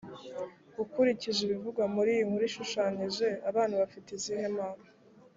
ukurikije ibivugwa muri iyi nkuru ishushanyije abana bafite izihe mpano?